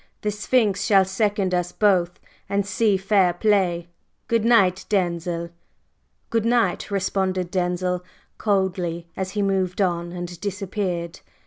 "The Sphinx shall second us both and see fair play. Good night, Denzil!" "Good night!" responded Denzil, coldly, as he moved on and disappeared.